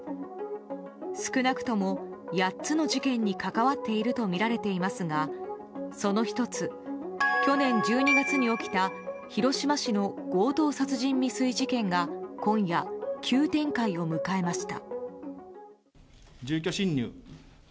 少なくとも８つの事件に関わっているとみられていますがその１つ、去年１２月に起きた広島市の強盗殺人未遂事件が今夜、急展開を迎えました。